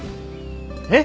えっ！？